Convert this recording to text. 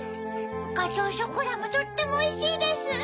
ガトーショコラもとってもおいしいです。